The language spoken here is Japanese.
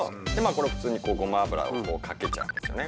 これは普通にこうごま油をかけちゃうんですよね